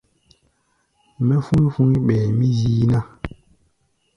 Mɛ́ fú̧í̧ fu̧í̧ ɓɛɛ mí zíí ná.